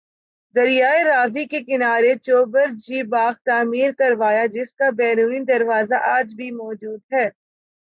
دریائے راوی کے کنارے چوبرجی باغ تعمیر کروایا جس کا بیرونی دروازہ آج بھی موجود ہے